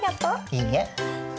いいえ。